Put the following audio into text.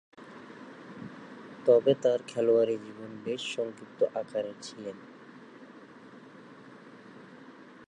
তবে, তার খেলোয়াড়ী জীবন বেশ সংক্ষিপ্ত আকারের ছিলেন।